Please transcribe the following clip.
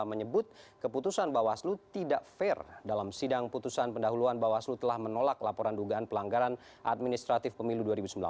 menyebut keputusan bawaslu tidak fair dalam sidang putusan pendahuluan bawaslu telah menolak laporan dugaan pelanggaran administratif pemilu dua ribu sembilan belas